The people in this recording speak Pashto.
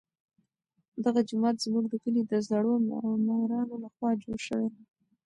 دغه جومات زموږ د کلي د زړو معمارانو لخوا جوړ شوی.